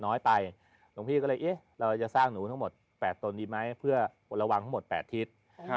หลวงพี่ก็เลยเอ๊ะเราจะสร้างหนูทั้งหมด๘ตนดีไหมเพื่อระวังทั้งหมด๘ทิศ